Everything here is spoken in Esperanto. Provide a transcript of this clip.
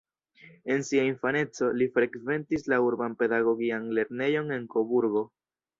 En sia infaneco, li frekventis la urban pedagogian lernejon en Koburgo.